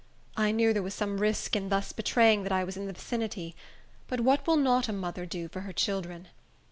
I knew there was some risk in thus betraying that I was in the vicinity; but what will not a mother do for her children?